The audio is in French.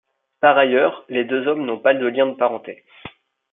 Par ailleurs, Les deux hommes n'ont pas de lien de parenté.